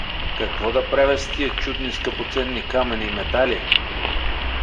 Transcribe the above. Какво да правя тия чудни скъпоценни камъни и метали?